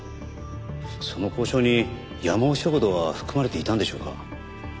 その交渉にやまお食堂は含まれていたんでしょうか？